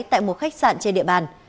tại một khách sạn trên địa bàn